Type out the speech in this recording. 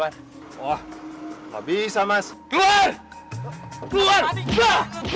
apa kabar mahlidah